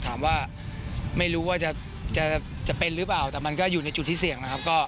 ถามว่าไม่รู้ว่าจะเป็นหรือเปล่าแต่มันก็อยู่ในจุดที่เสี่ยงนะครับ